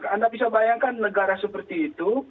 anda bisa bayangkan negara seperti itu